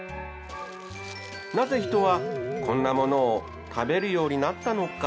なぜ人はこんなものを食べるようになったのか？